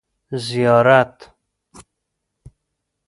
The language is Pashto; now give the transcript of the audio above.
زيارت